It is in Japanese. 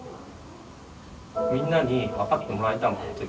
みんなに分かってもらえたもんあの時。